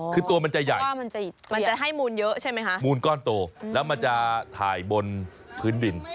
คือตัวมันจะใหญ่มันจะให้มูลเยอะใช่ไหมคะมูลก้อนโตแล้วมันจะถ่ายบนพื้นดิน